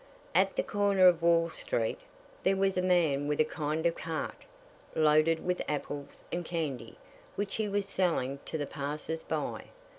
"At the corner of Wall Street there was a man with a kind of cart, loaded with apples and candy, which he was selling to the passers by.